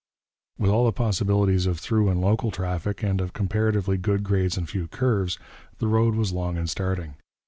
With all the possibilities of through and local traffic, and of comparatively good grades and few curves, the road was long in starting.